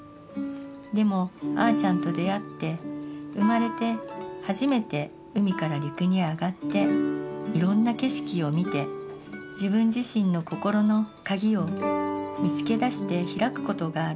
でもあーちゃんと出会って生まれて初めて海から陸に上がって色んな景色を見て自分自身の心のカギを見つけ出して開くことができました。